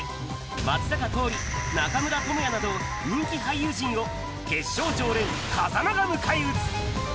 松坂桃李、中村倫也など、人気俳優陣を、決勝常連、風間が迎え撃つ。